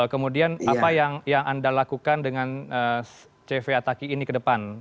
kemudian apa yang anda lakukan dengan cv ataki ini ke depan